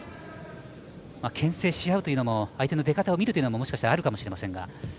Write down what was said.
けん制しあうというのも相手の出方を見るというのももしかしたらあうかもしれません。